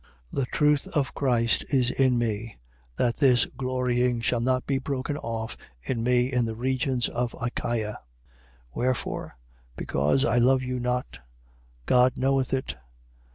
11:10. The truth of Christ is in me, that this glorying shall not be broken off in me in the regions of Achaia. 11:11. Wherefore? Because I love you not? God knoweth it.